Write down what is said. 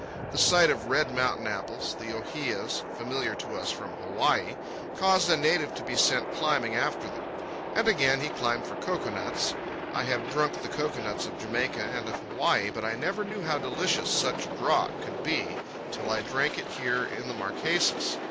The sight of red mountain apples, the ohias, familiar to us from Hawaii, caused a native to be sent climbing after them. And again he climbed for cocoa nuts. I have drunk the cocoanuts of Jamaica and of Hawaii, but I never knew how delicious such draught could be till I drank it here in the Marquesas.